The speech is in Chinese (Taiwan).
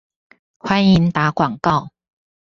歡迎打廣告